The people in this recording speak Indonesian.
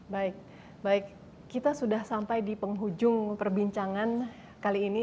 baik baik kita sudah sampai di penghujung perbincangan kali ini